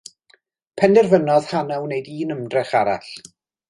Penderfynodd Hannah wneud un ymdrech arall.